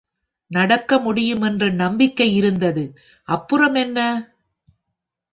நடிக்க முடியும் என்ற நம்பிக்கையிருந்தது, அப்புறமென்ன?